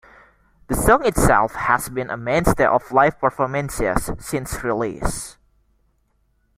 The song itself has been a mainstay of live performances since release.